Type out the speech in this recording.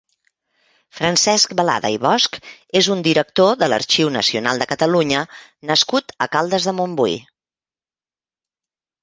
Francesc Balada i Bosch és un director de l'Arxiu Nacional de Catalunya nascut a Caldes de Montbui.